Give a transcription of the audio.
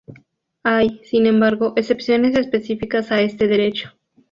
Hay, sin embargo, excepciones específicas a este derecho.